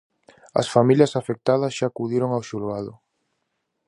As familias afectadas xa acudiron ao xulgado.